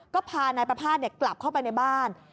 ก็พานายประภาษณ์กลับเข้าไปในบ้าน